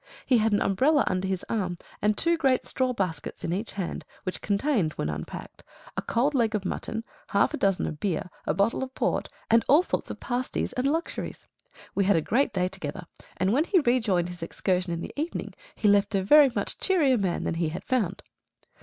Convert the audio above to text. He had an umbrella under his arm, and two great straw baskets in each hand, which contained, when unpacked, a cold leg of mutton, half a dozen of beer, a bottle of port, and all sorts of pasties and luxuries. We had a great day together, and when he rejoined his excursion in the evening he left a very much cheerier man than he had found.